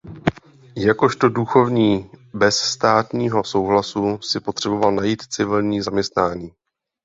Jakožto duchovní bez státního souhlasu si potřeboval najít civilní zaměstnání.